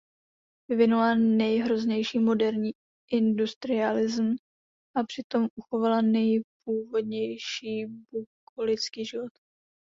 Vyvinula nejhroznější moderní industrialism a přitom uchovala nejpůvodnější bukolický život.